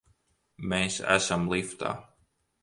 Mēs esam liftā!